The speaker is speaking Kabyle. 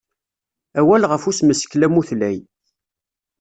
Awal ɣef usmeskel amutlay.